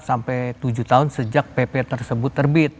sampai tujuh tahun sejak pp tersebut terbit